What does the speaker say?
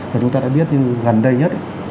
và chúng ta đã biết như gần đây nhất